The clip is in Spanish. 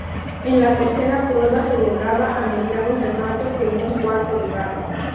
En la tercera prueba, celebrada a mediados de mayo quedó en cuarto lugar.